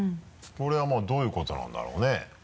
これはもうどういうことなんだろうね？